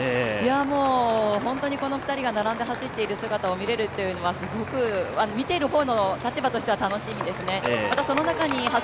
もうホントにこの２人が並んで走っている姿を見れるというのはすごく見ている方の立場としては楽しみです。